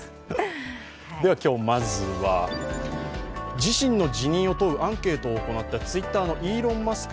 今日まずは自身の辞任を問うアンケートを行ったＴｗｉｔｔｅｒのイーロン・マスク